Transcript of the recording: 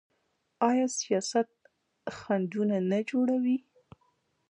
آیا سیاست خنډونه نه جوړوي؟